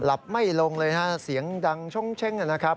ไม่ลงเลยฮะเสียงดังช่งเช่งนะครับ